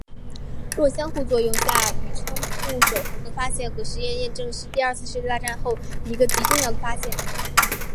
弱相互作用下宇称不守恒的发现和实验验证是第二次世界大战后一个极重要的发现。